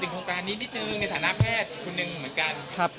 โครงการนี้นิดนึงในฐานะแพทย์คนหนึ่งเหมือนกัน